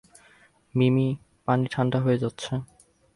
মিমি, পানি ঠাণ্ডা হয়ে যাচ্ছে।